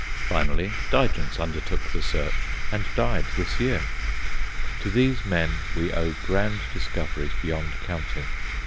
Finally, Digance undertook the search, and died this year. To these men we owe grand discoveries beyond counting.